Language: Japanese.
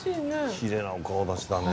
きれいなお顔立ちだね。